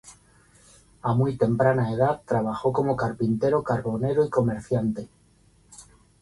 A muy temprana edad trabajó como carpintero, carbonero y comerciante.